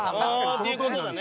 っていう事だね。